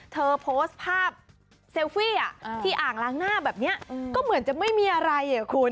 เธอโพสต์ภาพเซลฟี่ที่อ่างล้างหน้าแบบนี้ก็เหมือนจะไม่มีอะไรอ่ะคุณ